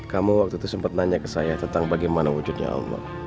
kamu waktu itu sempat nanya ke saya tentang bagaimana wujudnya allah